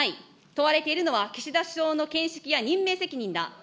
問われているのは、岸田首相の見識や任命責任だ。